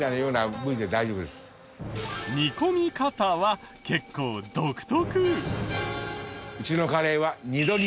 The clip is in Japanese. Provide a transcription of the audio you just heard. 煮込み方は結構独特。